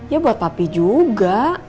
ya buat papi juga